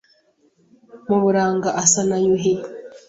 Mu buranga asa na Yuhi